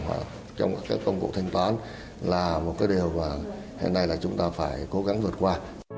và trong các cái công cụ thanh toán là một cái điều mà hiện nay là chúng ta phải cố gắng vượt qua